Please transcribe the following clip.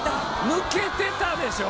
抜けてたでしょ！